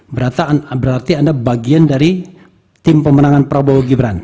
berarti anda bagian dari tim pemenangan prabowo gibran